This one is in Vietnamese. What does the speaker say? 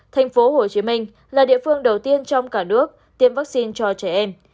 tp hcm là địa phương đầu tiên trong cả nước tiêm vaccine cho trẻ em